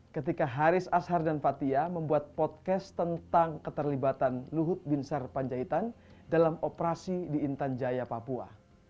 ketika haris ashar dan fathia membuat podcast tentang keterlibatan luhut bin sarpanjaitan dalam operasi di intan jaya papua